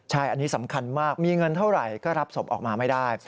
ใช่อันนี้สำคัญมากมีเงินเท่าไหร่ก็รับศพออกมาไม่ได้